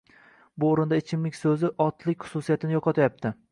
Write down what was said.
Bu oʻrinda ichimlik soʻzi otlik xususiyatini yoʻqotyapti